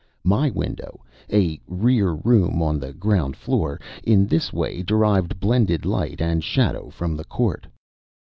My window a rear room on the ground floor in this way derived blended light and shadow from the court.